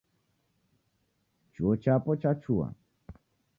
Chuo chapo chachua